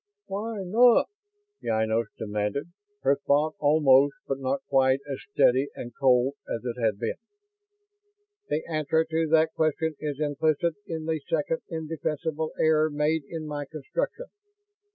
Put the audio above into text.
"Why not?" Ynos demanded, her thought almost, but not quite, as steady and cold as it had been. "The answer to that question is implicit in the second indefensible error made in my construction.